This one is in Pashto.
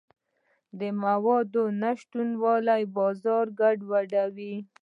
د موادو نشتوالی بازار ګډوډوي.